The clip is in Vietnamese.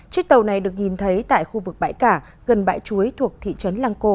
chiếc tàu này được nhìn thấy tại khu vực bãi cả gần bãi chuối thuộc thị trấn lang co